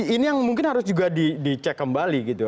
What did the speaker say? ini yang mungkin harus juga dicek kembali gitu